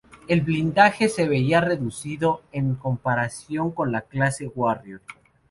El blindaje, se veía reducido en comparación con la clase "Warrior".